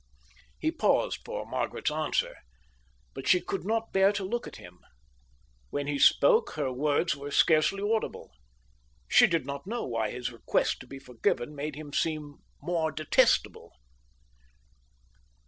He paused for Margaret's answer. But she could not bear to look at him. When she spoke, her words were scarcely audible. She did not know why his request to be forgiven made him seem more detestable.